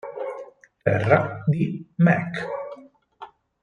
Terra di Mac.